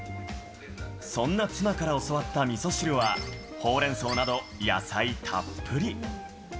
そんな妻から教わったみそ汁は、ホウレンソウなど、野菜たっぷり。